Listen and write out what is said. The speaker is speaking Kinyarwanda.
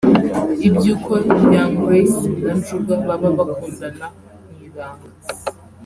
Iby’uko Young Grace na Njuga baba bakundana mu ibanga